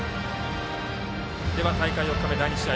大会４日目第２試合